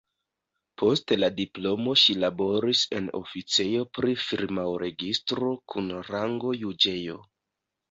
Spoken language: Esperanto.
Post la diplomo ŝi laboris en oficejo pri firmaoregistro kun rango juĝejo.